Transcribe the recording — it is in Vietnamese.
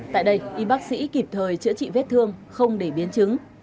tại đây y bác sĩ kịp thời chữa trị vết thương không để biến chứng